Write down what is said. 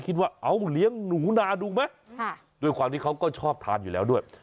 คิดว่าเอาเลี้ยงหนูนาดูไหมด้วยความที่เขาก็ชอบทานอยู่แล้วด้วย